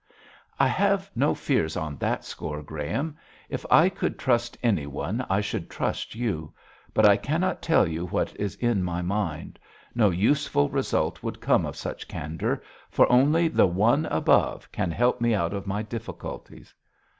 'I have no fears on that score, Graham. If I could trust anyone I should trust you; but I cannot tell you what is in my mind. No useful result would come of such candour, for only the One above can help me out of my difficulties.'